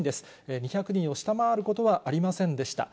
２００人を下回ることはありませんでした。